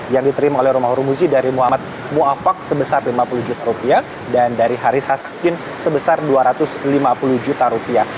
dari muhammad mu'afak sebesar lima puluh juta rupiah dan dari haris hasan udin sebesar dua ratus lima puluh juta rupiah